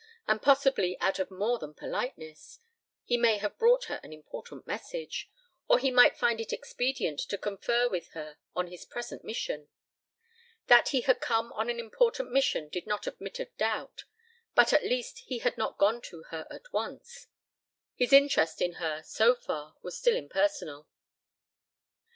And possibly out of more than politeness: he may have brought her an important message. Or he might find it expedient to confer with her on his present mission. That he had come on an important mission did not admit of a doubt; but at least he had not gone to her at once. His interest in her, so far, was still impersonal.